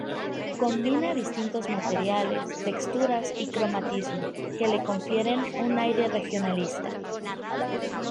Combina distintos materiales, texturas y cromatismo, que le confieren un aire regionalista.